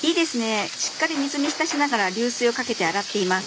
しっかり水に浸しながら流水をかけて洗っています。